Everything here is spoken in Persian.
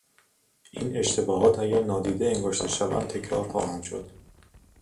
این اشتباهات اگر نادیده انگاشته شوند تکرار خواهند شد.